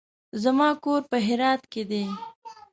زما کور په هرات کې دی.